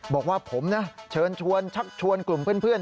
บอกว่าผมนะเชิญชวนชักชวนกลุ่มเพื่อน